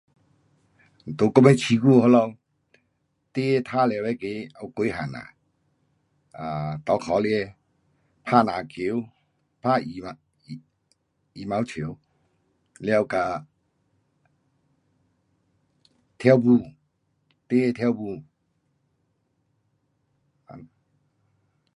这我们市区那个孩儿玩耍那个有几样啊，um 搭脚车，打篮球，打羽毛，羽毛球，了跟跳舞，孩儿跳舞。